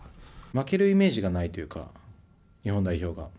負けるイメージがないというか日本代表が。